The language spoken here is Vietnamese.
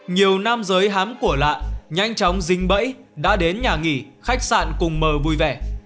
nhiều nam giới hán của lạ nhanh chóng dính bẫy đã đến nhà nghỉ khách sạn cùng mờ vui vẻ